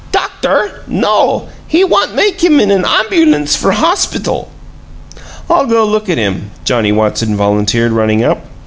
"Doctor? No! He want make him in a amyoulance for hospital!" "I'll go look at him," Johnnie Watson volunteered, running up.